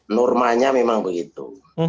normanya memang begitu